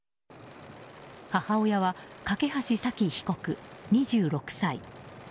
母親は梯沙希被告、２６歳。